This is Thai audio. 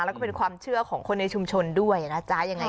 แล้วก็เป็นความเชื่อของคนในชุมชนด้วยนะจ๊ะยังไง